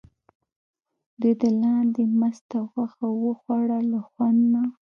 دوی د لاندي مسته غوښه وخوړه له خوند نه.